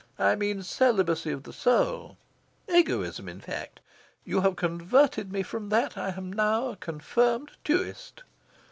I mean celibacy of the soul egoism, in fact. You have converted me from that. I am now a confirmed tuist."